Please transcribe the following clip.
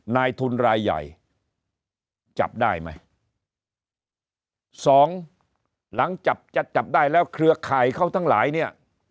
นายทุนรายใหญ่จับได้ไหมสองหลังจับจะจับได้แล้วเครือข่ายเขาทั้งหลายเนี่ย